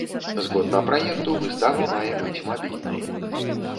Згодна праекту, выстава мае быць мабільнай.